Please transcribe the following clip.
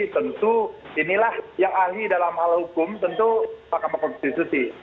tentu inilah yang ahli dalam hal hukum tentu mahkamah konstitusi